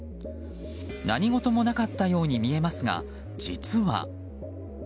何事もなかったように見えますが実は。